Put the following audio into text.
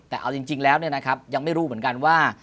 แต่เอาจริงแล้วเนี่ยนะครับยังไม่รู้เหมือนกันว่า